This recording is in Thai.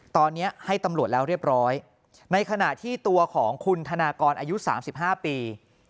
ตอนนี้ให้ตำรวจแล้วเรียบร้อยในขณะที่ตัวของคุณธนากรอายุ๓๕ปี